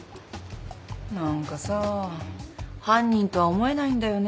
何かさ犯人とは思えないんだよねぇ。